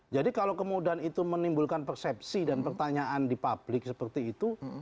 jadi kalau kemudian itu menimbulkan persepsi dan pertanyaan di publik seperti itu